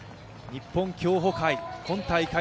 日本競歩界、今大会